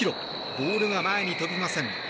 ボールが前に飛びません。